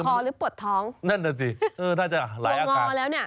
ตกลงเจ็บคอหรือปวดท้องนั่นแหละสิน่าจะหลายอาการ